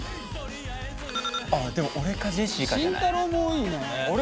あっでも俺かジェシーかじゃない？